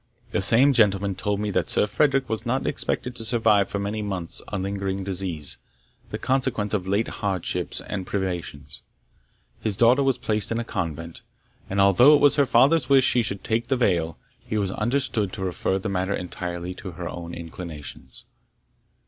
The same gentleman told me that Sir Frederick was not expected to survive for many months a lingering disease, the consequence of late hardships and privations. His daughter was placed in a convent, and although it was her father's wish she should take the veil, he was understood to refer the matter entirely to her own inclinations.